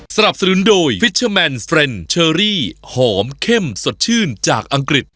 สนับสนุนโดยฟิชเชอร์แมนเฟรนด์เชอรี่หอมเข้มสดชื่นจากอังกฤษ